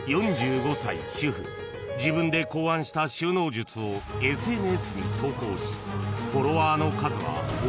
［自分で考案した収納術をＳＮＳに投稿し］